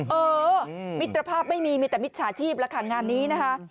เออมิตรภาพไม่มีมีแต่มิจฉาชีพแล้วค่ะงานนี้นะคะ